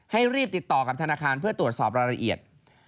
รีบติดต่อกับธนาคารเพื่อตรวจสอบรายละเอียด